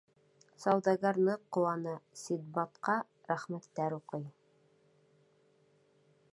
Сауҙагәр ныҡ ҡыуана, Синдбадҡа рәхмәттәр уҡый.